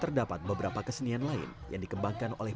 terdapat beberapa kesenian lain yang dikembangkan oleh